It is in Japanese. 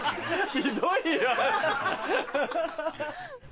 ひどいよ。